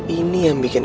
ini yang bikinnya